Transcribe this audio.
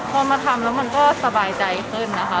พอมาทำแล้วมันก็สบายใจขึ้นนะคะ